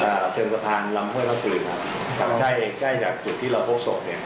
เชิงสะพานลำห้วยรับปืนครับทางใกล้ใกล้จากจุดที่เราพบศพเนี้ย